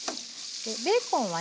ベーコンはね